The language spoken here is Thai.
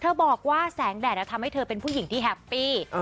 บอกว่าแสงแดดทำให้เธอเป็นผู้หญิงที่แฮปปี้